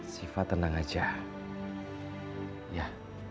shifa tenang aja ya